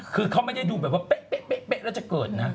คือเขาไม่ได้ดูแบบว่าเป๊ะแล้วจะเกิดนะ